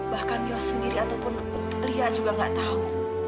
bahkan yos sendiri ataupun lia juga gak tau